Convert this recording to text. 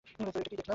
এটা কি দেখলাম?